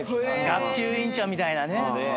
学級委員長みたいなね。